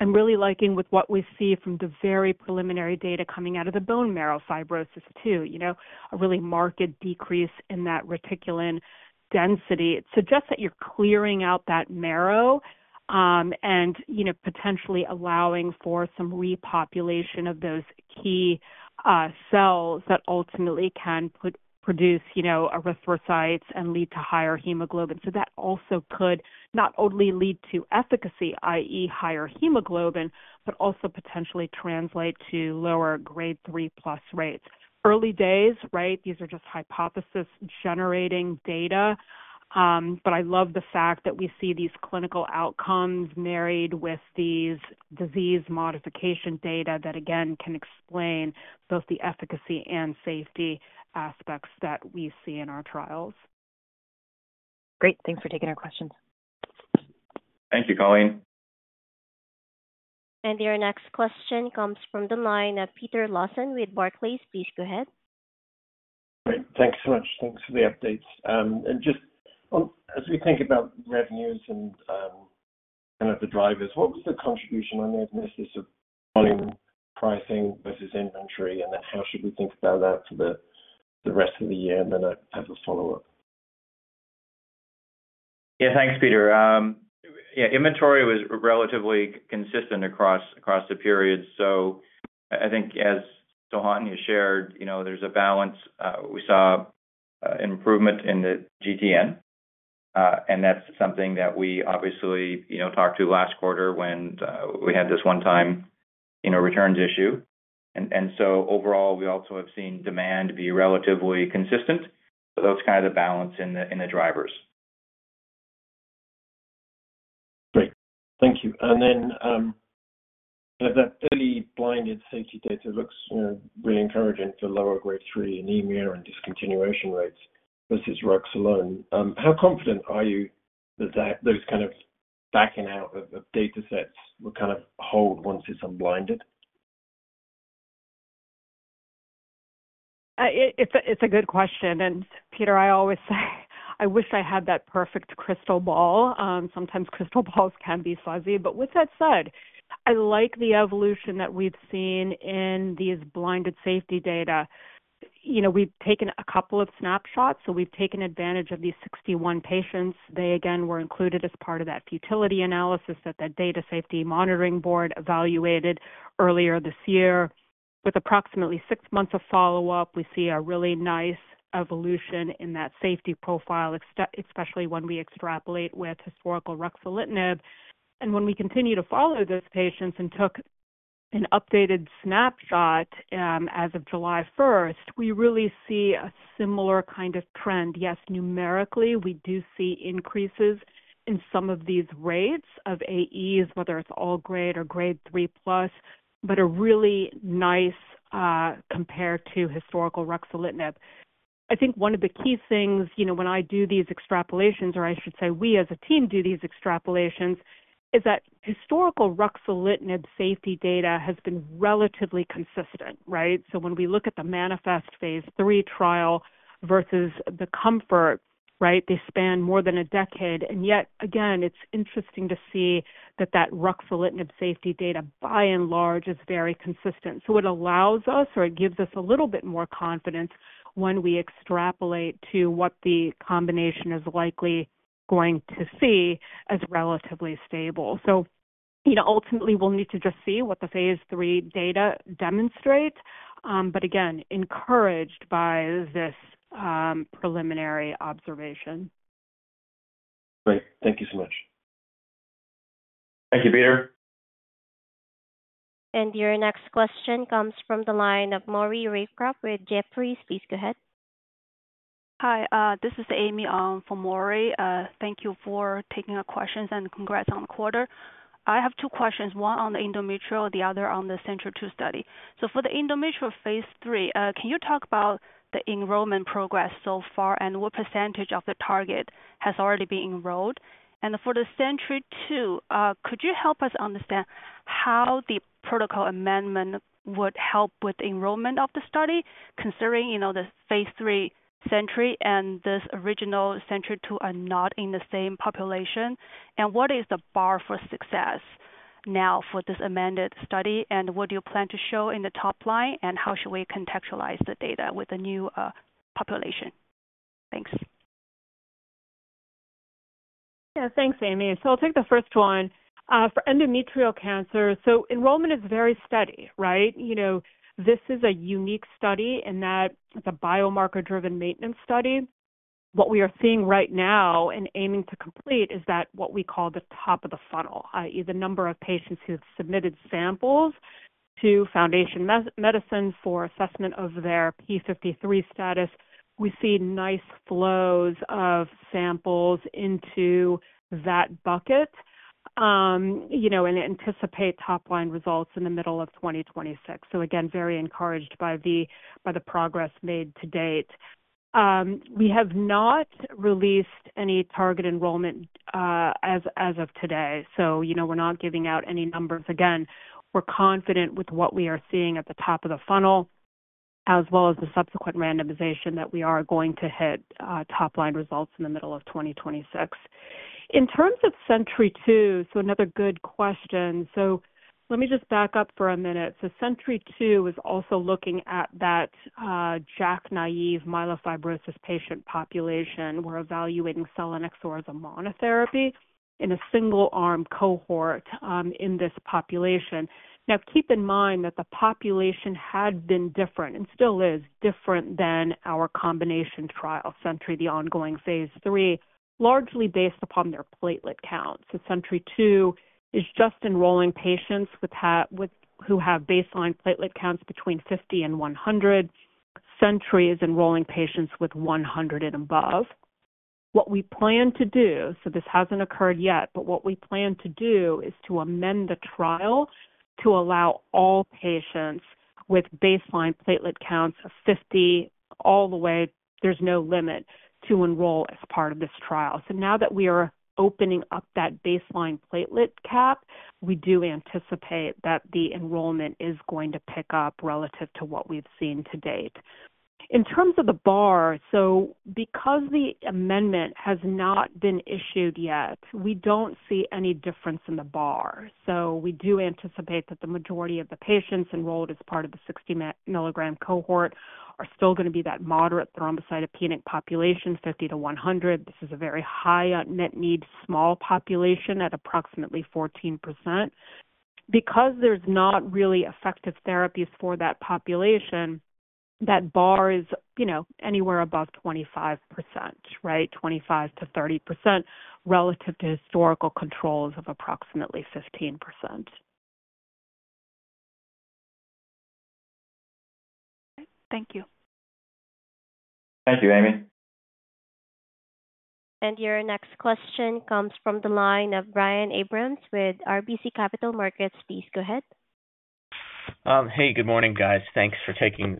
I'm really liking what we see from the very preliminary data coming out of the bone marrow fibrosis too, a really marked decrease in that reticulin density. It suggests that you're clearing out that marrow and potentially allowing for some repopulation of those key cells that ultimately can produce erythrocytes and lead to higher hemoglobin. That also could not only lead to efficacy, i.e., higher hemoglobin, but also potentially translate to lower grade 3+ rates. Early days, right? These are just hypothesis-generating data. I love the fact that we see these clinical outcomes married with these disease modification data that, again, can explain both the efficacy and safety aspects that we see in our trials. Great. Thanks for taking our questions. Thank you, Colleen. Your next question comes from the line of Peter Lawson with Barclays. Please go ahead. Great. Thanks so much. Thanks for the updates. As we think about revenues and kind of the drivers, what was the contribution on those misses of volume pricing versus inventory? How should we think about that for the rest of the year? I have a follow-up. Yeah, thanks, Peter. Yeah, inventory was relatively consistent across the periods. I think, as Sohanya shared, there's a balance. We saw an improvement in the GTN. That's something that we obviously talked to last quarter when we had this one-time returns issue. Overall, we also have seen demand be relatively consistent. That's kind of the balance in the drivers. Great. Thank you. There's that early blinded safety data that looks really encouraging for lower grade 3 anemia and discontinuation rates versus ruxolitinib alone. How confident are you that those kind of backing out of data sets will hold once it's unblinded? It's a good question. Peter, I always say, I wish I had that perfect crystal ball. Sometimes crystal balls can be fuzzy. With that said, I like the evolution that we've seen in these blinded safety data. We've taken a couple of snapshots. We've taken advantage of these 61 patients. They, again, were included as part of that futility analysis that the Data Safety Monitoring Board evaluated earlier this year. With approximately six months of follow-up, we see a really nice evolution in that safety profile, especially when we extrapolate with historical ruxolitinib. When we continue to follow those patients and took an updated snapshot as of July 1st, we really see a similar kind of trend. Yes, numerically, we do see increases in some of these rates of AEs, whether it's all grade or grade 3+, but a really nice compared to historical ruxolitinib. I think one of the key things, when I do these extrapolations, or I should say we as a team do these extrapolations, is that historical ruxolitinib safety data has been relatively consistent, right? When we look at the manifest phase III trial versus the comfort, they span more than a decade. Yet, again, it's interesting to see that ruxolitinib safety data, by and large, is very consistent. It allows us, or it gives us a little bit more confidence when we extrapolate to what the combination is likely going to see as relatively stable. Ultimately, we'll need to just see what the phase III data demonstrates. Again, encouraged by this preliminary observation. Great. Thank you so much. Thank you, Peter. Your next question comes from the line of Maury Raycroft with Jefferies. Please go ahead. Hi. This is Amy from Maury. Thank you for taking our questions and congrats on the quarter. I have two questions, one on the endometrial, the other on the SENTRY-2 study. For the endometrial phase III, can you talk about the enrollment progress so far and what percentage of the target has already been enrolled? For the SENTRY-2, could you help us understand how the protocol amendment would help with the enrollment of the study considering the phase III SENTRY and this original SENTRY-2 are not in the same population? What is the bar for success now for this amended study? What do you plan to show in the top line? How should we contextualize the data with the new population? Thanks. Yeah, thanks, Amy. I'll take the first one. For endometrial cancer, enrollment is very steady, right? This is a unique study in that it's a biomarker-driven maintenance study. What we are seeing right now and aiming to complete is what we call the top of the funnel, i.e., the number of patients who have submitted samples to Foundation Medicine for assessment of their P53 status. We see nice flows of samples into that bucket and anticipate top-line results in the middle of 2026. Again, very encouraged by the progress made to date. We have not released any target enrollment as of today, so we're not giving out any numbers. We're confident with what we are seeing at the top of the funnel, as well as the subsequent randomization, that we are going to hit top-line results in the middle of 2026. In terms of SENTRY-2, another good question. Let me just back up for a minute. SENTRY-2 was also looking at that JAKi-naïve myelofibrosis patient population. We're evaluating selinexor as a monotherapy in a single-arm cohort in this population. Now, keep in mind that the population had been different and still is different than our combination trial, SENTRY, the ongoing phase III, largely based upon their platelet count. SENTRY-2 is just enrolling patients who have baseline platelet counts between 50 and 100. SENTRY is enrolling patients with 100 and above. What we plan to do, this hasn't occurred yet, but what we plan to do is to amend the trial to allow all patients with baseline platelet counts of 50 all the way, there's no limit, to enroll as part of this trial. Now that we are opening up that baseline platelet cap, we do anticipate that the enrollment is going to pick up relative to what we've seen to date. In terms of the bar, because the amendment has not been issued yet, we don't see any difference in the bar. We do anticipate that the majority of the patients enrolled as part of the 60 mg cohort are still going to be that moderate thrombocytopenic population, 50-100. This is a very high net need small population at approximately 14%. Because there's not really effective therapies for that population, that bar is anywhere above 25%, right? 25%-30% relative to historical controls of approximately 15%. Okay, thank you. Thank you, Amy. Your next question comes from the line of Brian Abrams with RBC Capital Markets. Please go ahead. Hey, good morning, guys. Thanks for taking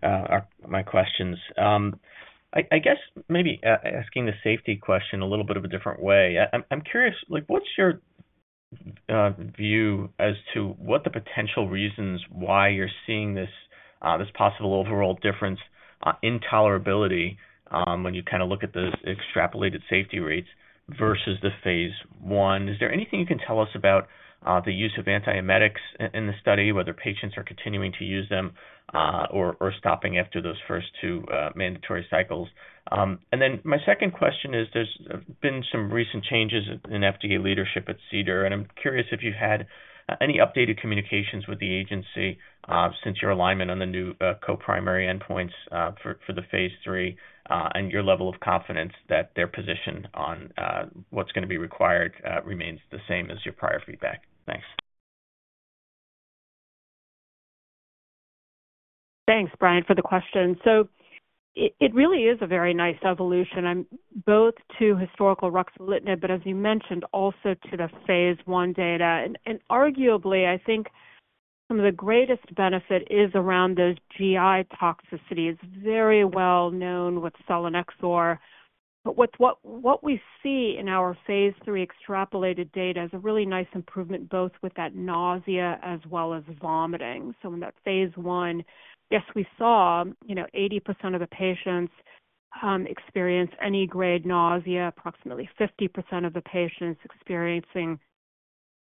my questions. I guess maybe asking the safety question a little bit of a different way. I'm curious, like, what's your view as to what the potential reasons why you're seeing this possible overall difference in tolerability when you kind of look at those extrapolated safety rates versus the phase I? Is there anything you can tell us about the use of antiemetics in the study, whether patients are continuing to use them or stopping after those first two mandatory cycles? My second question is, there's been some recent changes in FDA leadership at CDER, and I'm curious if you've had any updated communications with the agency since your alignment on the new coprimary endpoints for the phase III and your level of confidence that their position on what's going to be required remains the same as your prior feedback. Thanks. Thanks, Brian, for the question. It really is a very nice evolution, both to historical ruxolitinib, but as you mentioned, also to the phase I data. Arguably, I think some of the greatest benefit is around those GI toxicities. It's very well known with selinexor. What we see in our phase III extrapolated data is a really nice improvement, both with that nausea as well as vomiting. In that phase I, yes, we saw 80% of the patients experience any grade nausea, approximately 50% of the patients experiencing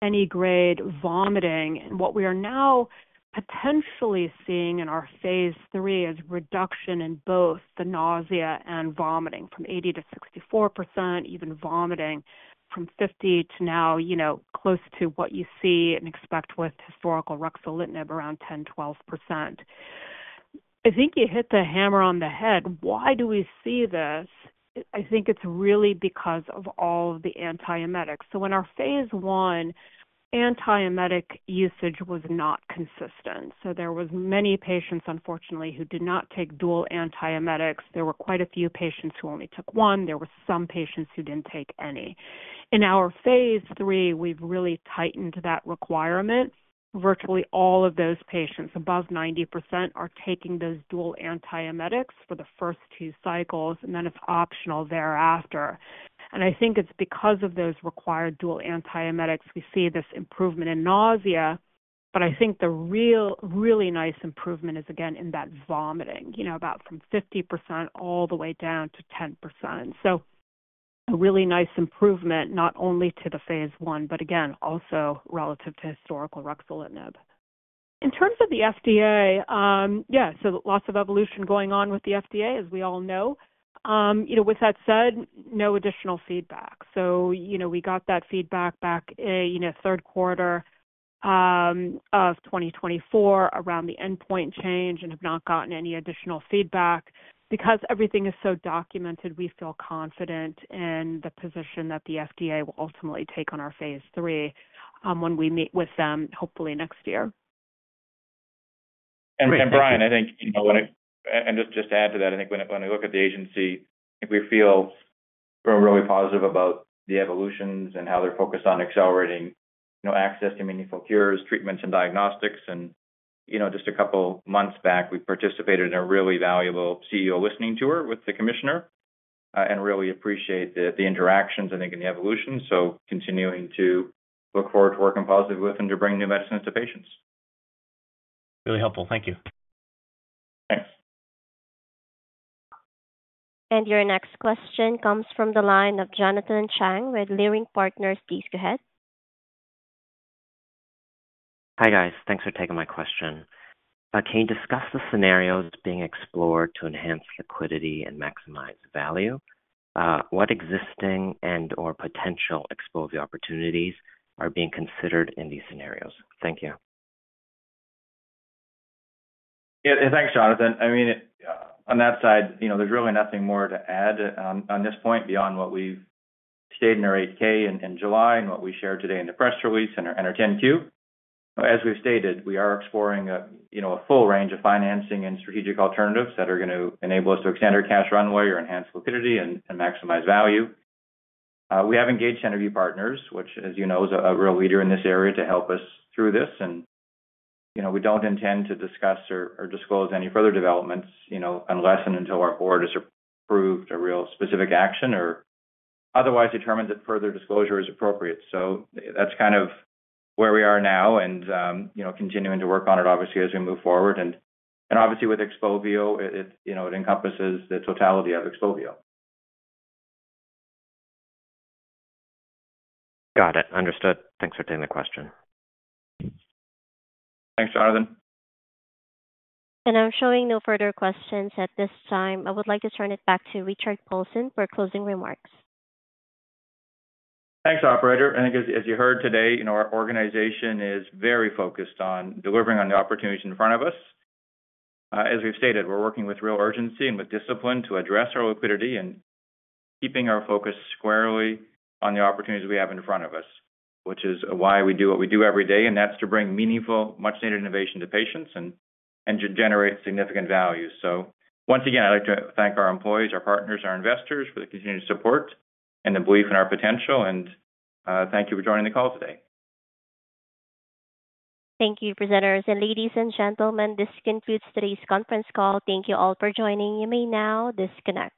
any grade vomiting. What we are now potentially seeing in our phase III is a reduction in both the nausea and vomiting from 80% to 64%, even vomiting from 50% to now, you know, close to what you see and expect with historical ruxolitinib around 10%-12%. I think you hit the hammer on the head. Why do we see this? I think it's really because of all of the antiemetics. In our phase I, antiemetic usage was not consistent. There were many patients, unfortunately, who did not take dual antiemetics. There were quite a few patients who only took one. There were some patients who didn't take any. In our phase III, we've really tightened that requirement. Virtually all of those patients, above 90%, are taking those dual antiemetics for the first two cycles, and then if optional, thereafter. I think it's because of those required dual antiemetics we see this improvement in nausea. The real, really nice improvement is, again, in that vomiting, about from 50% all the way down to 10%. A really nice improvement not only to the phase I, but again, also relative to historical ruxolitinib. In terms of the FDA, lots of evolution going on with the FDA, as we all know. With that said, no additional feedback. We got that feedback back in the third quarter of 2024 around the endpoint change and have not gotten any additional feedback. Because everything is so documented, we feel confident in the position that the FDA will ultimately take on our phase III when we meet with them, hopefully next year. Brian, I think, just to add to that, I think when we look at the agency, we feel really positive about the evolutions and how they're focused on accelerating access to meaningful cures, treatments, and diagnostics. A couple months back, we participated in a really valuable CEO listening tour with the commissioner and really appreciate the interactions and the evolution. We continue to look forward to working positively with them to bring new medicines to patients. Really helpful. Thank you. Thanks. Your next question comes from the line of Jonathan Chang with Leerink Partners. Please go ahead. Hi, guys. Thanks for taking my question. Can you discuss the scenarios being explored to enhance liquidity and maximize value? What existing and/or potential exposure opportunities are being considered in these scenarios? Thank you. Yeah, thanks, Jonathan. I mean, on that side, there's really nothing more to add on this point beyond what we've stated in our 8-K in July and what we shared today in the press release and our 10-Q. As we've stated, we are exploring a full range of financing and strategic alternatives that are going to enable us to extend our cash runway or enhance liquidity and maximize value. We have engaged Centerview Partners, which, as you know, is a real leader in this area to help us through this. We don't intend to discuss or disclose any further developments unless and until our board has approved a real specific action or otherwise determines that further disclosure is appropriate. That's kind of where we are now, continuing to work on it, obviously, as we move forward. Obviously, with XPOVIO, it encompasses the totality of XPOVIO. Got it. Understood. Thanks for taking the question. Thanks, Jonathan. I'm showing no further questions at this time. I would like to turn it back to Richard Paulson for closing remarks. Thanks, operator. I think, as you heard today, our organization is very focused on delivering on the opportunities in front of us. As we've stated, we're working with real urgency and with discipline to address our liquidity and keeping our focus squarely on the opportunities we have in front of us, which is why we do what we do every day, and that's to bring meaningful, much-needed innovation to patients and to generate significant value. Once again, I'd like to thank our employees, our partners, our investors for the continued support and the belief in our potential. Thank you for joining the call today. Thank you, presenters. Ladies and gentlemen, this concludes today's conference call. Thank you all for joining. You may now disconnect.